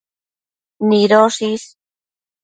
nidosh is